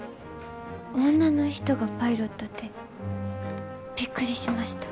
女の人がパイロットってびっくりしました。